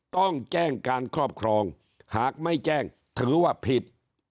ต้องแจ้งการครอบครองหากไม่แจ้งถือว่าผิด